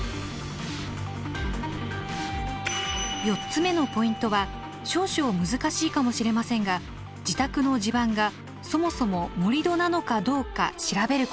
４つ目のポイントは少々難しいかもしれませんが自宅の地盤がそもそも盛り土なのかどうか調べること。